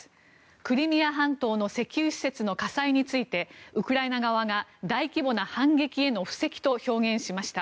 クリミア半島の石油施設の火災についてウクライナ側が大規模な反撃への布石と表現しました。